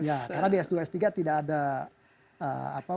ya karena di s dua s tiga tidak ada apa